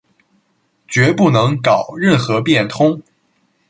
决不能搞任何变通